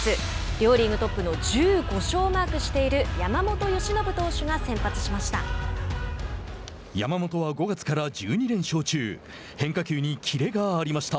両リーグトップの１５勝をマークしている山本由伸投手が先発しました。